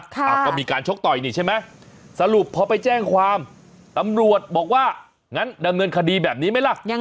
ก็มีการชกต่อยนี่ใช่ไหม